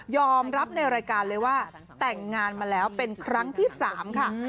อมรับในรายการเลยว่าแต่งงานมาแล้วเป็นครั้งที่๓ค่ะ